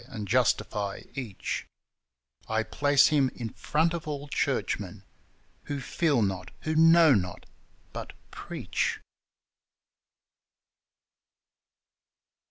and justify each I place him in front of all churchmen Who feel not, who know not but preach